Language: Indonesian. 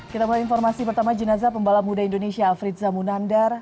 kita mulai informasi pertama jenazah pembalap muda indonesia afrizza munandar